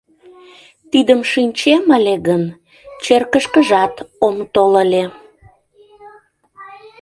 Тидым шинчем ыле гын, черкышкыжат ом тол ыле...